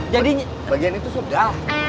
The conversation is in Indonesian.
jadi bagian itu sudah